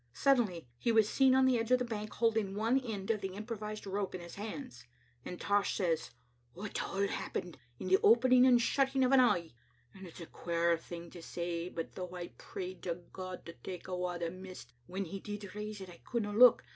Sud denly he was seen on the edge of the bank, holding one end of the improvised rope in his hand. As Tosh says —" It all happened in the opening and shutting o' an eye. It's a queer thing to say, but though I prayed to God to take awa the mist, when He did raise it Icouldna look.